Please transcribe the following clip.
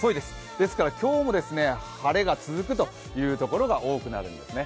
ですから今日も晴れが続くという所が多くなるんですね。